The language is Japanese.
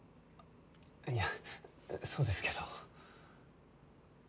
いやそうですけど。